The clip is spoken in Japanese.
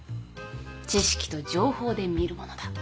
知識と情報で見るものだ。